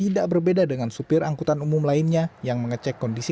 agar mereka tidak terkungkung dengan gadget di tangannya